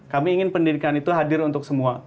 kami ingin pendidikan itu hadir untuk semua